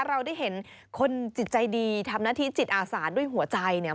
เราได้เห็นคนจิตใจดีทำหน้าที่จิตอาสาด้วยหัวใจเนี่ย